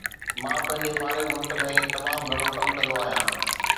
مان پنهنجي فارغ وقت ۾ تمام گهڻو ڪم ڪندو آهيان